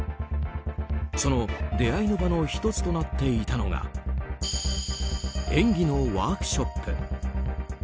その出会いの場の１つとなっていたのが演技のワークショップ。